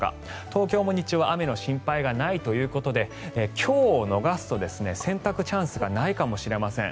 東京も日中は雨の心配がないということで今日を逃すと洗濯チャンスがないかもしれません。